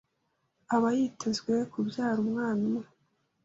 aba yitezwe kubyara umwana umwe